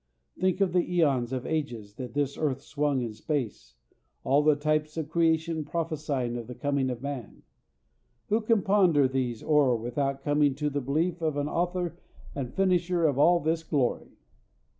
Think of the æons of ages that this earth swung in space, all the types of creation prophecying of the coming of man! Who can ponder these o'er without coming to the belief of an author and finisher of all this glory?